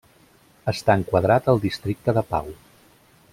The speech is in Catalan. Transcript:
Està enquadrat al districte de Pau.